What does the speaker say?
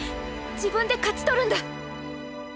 自分で勝ち取るんだ！